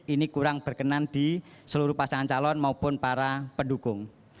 ini kurang berkenan di seluruh pasangan calon maupun para pendukung